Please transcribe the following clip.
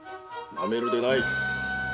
なめるでない！